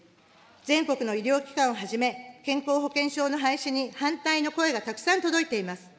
全国の医療機関をはじめ、健康保険証の廃止に反対の声がたくさん届いています。